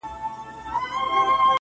ورته ښېراوي هر ماښام كومه.